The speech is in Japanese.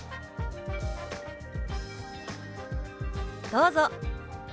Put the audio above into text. どうぞ！